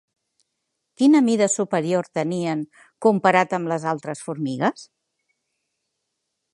Quina mida superior tenien comparat amb les altres formigues?